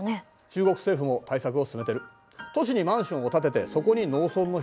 中国政府も対策を進めてる。